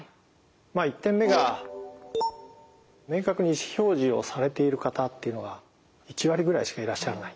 １点目が明確に意思表示をされている方っていうのが１割ぐらいしかいらっしゃらない。